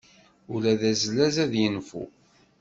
Ula d azlaz ad yenfu.